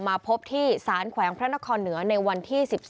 มาพบที่สารแขวงพระนครเหนือในวันที่๑๒